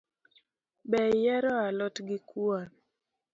Be ihero a lot gi kuon